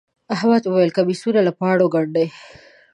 احمد وويل: کمیسونه له پاڼو گنډي.